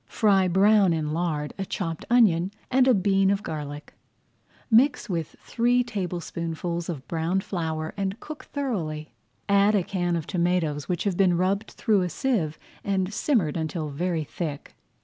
Fry brown in lard a chopped onion and a bean of garlic. Mix with three tablespoonfuls [Page 99] of browned flour and cook thoroughly. Add a can of tomatoes which have been rubbed through a sieve and simmered until very thick.